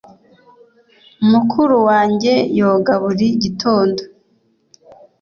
Mukuru wanjye yoga buri gitondo.